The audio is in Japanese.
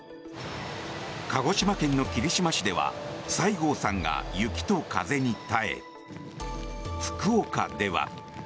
鹿児島県の霧島市では西郷さんが雪と風に耐え福岡では。